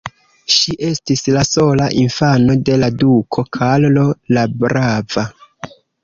Ŝi estis la sola infano de la duko Karlo la brava.